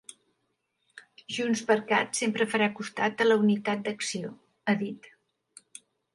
JxCat sempre farà costat a la unitat d’acció, ha dit.